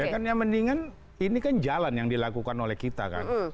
ya kan yang mendingan ini kan jalan yang dilakukan oleh kita kan